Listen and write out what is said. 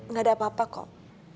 nggak ada apa apa kok